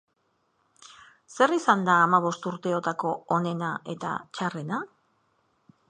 Zer izan da hamabost urteotako onena eta txarrena?